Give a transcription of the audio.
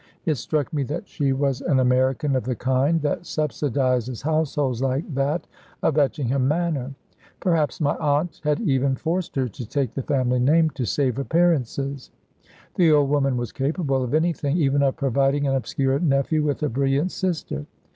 It struck me that she was an American of the kind that subsidizes households like that of Etchingham Manor. Perhaps my aunt had even forced her to take the family name, to save appearances. The old woman was capable of anything, even of providing an obscure nephew with a brilliant sister.